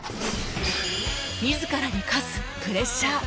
自らに課すプレッシャー